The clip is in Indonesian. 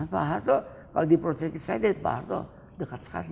pak harto kalau diprotes ke sedeh pak harto dekat sekali